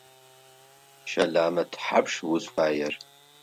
Щэлэмэ тхьапш узфаер?